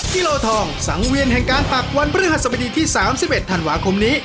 กิโลทองสังเวียนแห่งการปักวันพฤหัสบดีที่๓๑ธันวาคมนี้